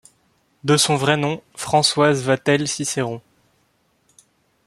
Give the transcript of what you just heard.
De son vrai nom Françoise Vatel-Ciceron.